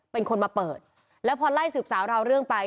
เป็นคนมาเปิดแล้วพอไล่สืบสาวราวเรื่องไป